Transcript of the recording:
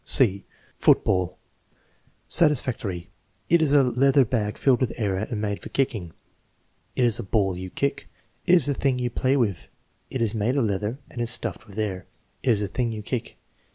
(c) Football Satisfactory. "It is a leather bag filled with air and made for kicking." "It is a ball you kick." "It is a thing you play with." "It is made of leather and is stuffed with air." "It is a thing you kick."